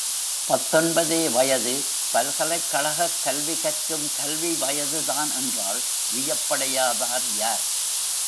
பத்தொன்பதே வயது பல்கலைக்கழகக் கல்விகற்கும் கல்வி வயதுதான் என்றால் வியப்படையாதவர் யார்?